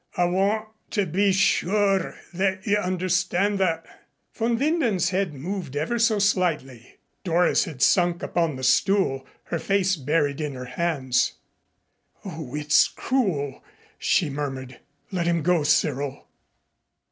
"I want to be sure that you understand that." Von Winden's head moved ever so slightly. Doris had sunk upon the stool, her face buried in her hands. "Oh, it's cruel!" she murmured. "Let him go, Cyril."